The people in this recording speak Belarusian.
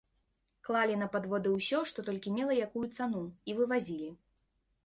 Клалі на падводы ўсё, што толькі мела якую цану, і вывазілі.